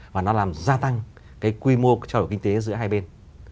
và nó làm gia tăng cái quy mô trao đổi kinh tế giữa hai bên